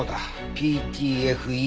「ＰＴＦＥ」。